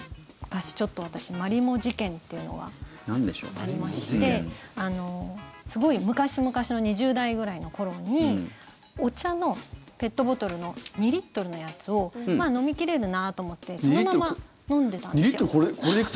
私、ちょっとマリモ事件というのがありましてすごい昔々の２０代くらいの頃にお茶のペットボトルの２リットルのやつをまあ飲み切れるなと思ってそのまま飲んでたんですよ。